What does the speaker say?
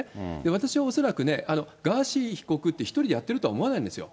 私は恐らくね、ガーシー被告って１人でやってるとは思わないんですよ。